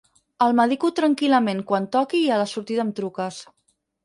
El medico tranquil·lament quan toqui i a la sortida em truques.